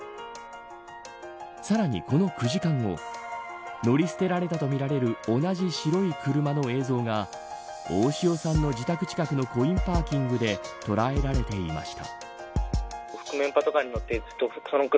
さらに、この９時間後乗り捨てられたとみられる同じ白い車の映像が大塩さんの自宅近くのコインパーキングで捉えられていました。